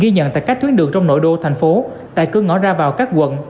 ghi nhận tại các tuyến đường trong nội đô thành phố tại cửa ngõ ra vào các quận